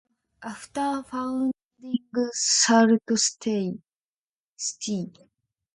After founding Sault Ste.